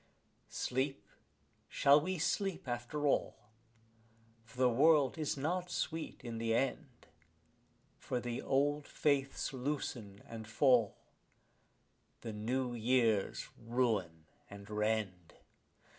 Sleep, shall we sleep after all? for the world is not sweet in the end; For the old faiths loosen and fall, the new years ruin and rend.